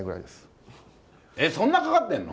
そんなかかってんの？